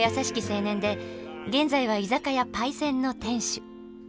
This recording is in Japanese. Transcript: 青年で現在は居酒屋「パイセン」の店主。